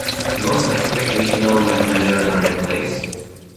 No specific regional measures are in place.